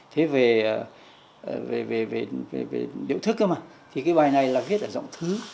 thế về điệu thức cơ mà thì cái bài này là viết ở giọng thứ